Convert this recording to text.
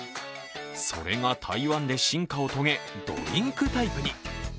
それが台湾で進化を遂げ、ドリンクタイプに。